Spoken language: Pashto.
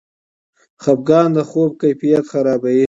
خفګان د خوب کیفیت خرابوي.